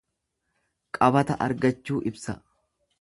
Qabata argachuu ibsa.